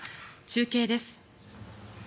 中継です。